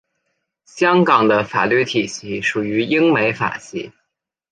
香港的法律体系属于英美法系。